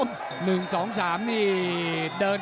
ฝ่ายทั้งเมืองนี้มันตีโต้หรืออีโต้